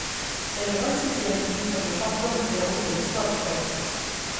C'est le vingt-sixième titre de champion du Pérou de l'histoire du club.